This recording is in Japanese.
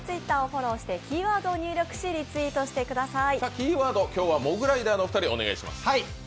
キーワード、今日はモグライダーの２人、お願いします。